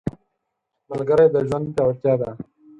ملګری د ژوند پیاوړتیا ده